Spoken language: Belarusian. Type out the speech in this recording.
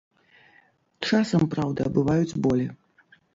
Часам, праўда, бываюць болі.